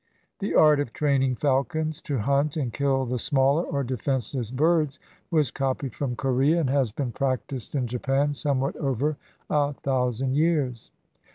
The art of training falcons to hunt and kill the smaller or defenseless birds was copied from Corea, and has been practiced in Japan somewhat over a thousand years.